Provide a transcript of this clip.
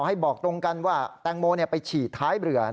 ให้บอกตรงกันว่าแตงโมไปฉี่ท้ายเรือ